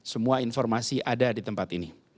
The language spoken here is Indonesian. semua informasi ada di tempat ini